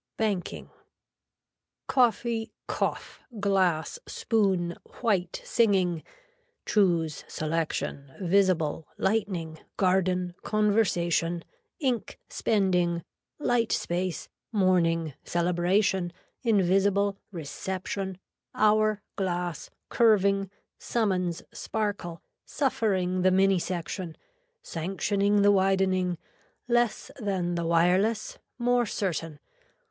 BANKING. Coffee, cough, glass, spoon, white, singing. Choose, selection, visible, lightning, garden, conversation, ink, spending, light space, morning, celebration, invisible, reception, hour, glass, curving, summons, sparkle, suffering the minisection, sanctioning the widening, less than the wireless, more certain.